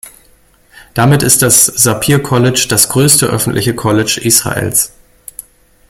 Damit ist das Sapir College das größte öffentliche College Israels.